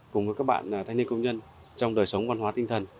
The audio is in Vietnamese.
cùng với các bạn thanh niên công nhân trong đời sống văn hóa tinh thần